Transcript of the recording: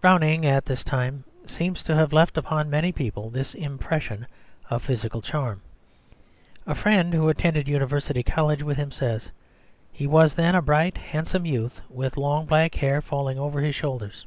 Browning at this time seems to have left upon many people this impression of physical charm. A friend who attended University College with him says: "He was then a bright handsome youth with long black hair falling over his shoulders."